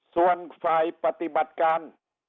ส่วนฝ่ายปฏิบัติการ